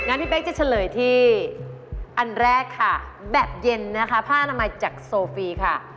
พี่เป๊กจะเฉลยที่อันแรกค่ะแบบเย็นนะคะผ้าอนามัยจากโซฟีค่ะ